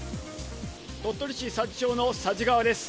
鳥取市佐治町の佐治川です。